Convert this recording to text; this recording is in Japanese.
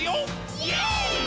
イエーイ！！